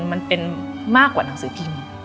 มันเป็นมากกว่าหนังสือพิมพ์